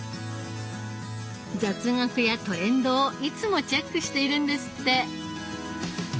雑学やトレンドをいつもチェックしているんですって。